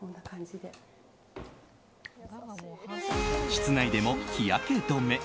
室内でも日焼け止め。